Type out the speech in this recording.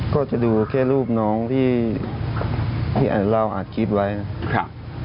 ก็จะดูแค่รูปนิ้วที่เราอาจคิดไว้นะ